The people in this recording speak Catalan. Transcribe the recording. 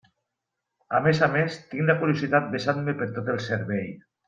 A més a més, tinc la curiositat vessant-me per tot el cervell.